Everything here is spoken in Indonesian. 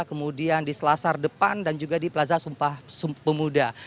kemudian di selasar depan dan juga di plaza sumpah pemuda